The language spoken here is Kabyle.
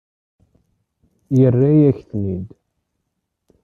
Yerra-yak-tent-id.